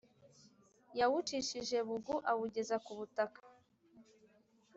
Yawucishije bugu awugeza ku butaka